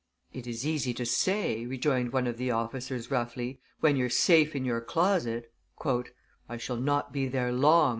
"It is easy to say," rejoined one of the officers roughly, "when you're safe in your closet." "I shall not be there long!"